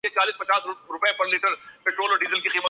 پورا دن کاروبار زندگی میں مشغول اور محنت سے چور